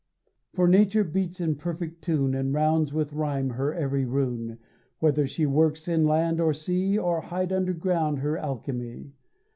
For Nature beats in perfect tune, And rounds with rhyme her every rune, Whether she works in land or sea, Or hide underground her alchemy.